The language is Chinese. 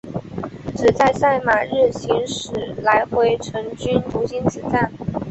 只在赛马日行驶来回程均途经此站。